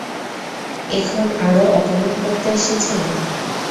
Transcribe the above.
এখন আরও অপমান করতে এসেছেন?